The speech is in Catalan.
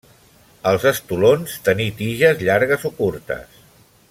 Els estolons tenir tiges llargues o curtes.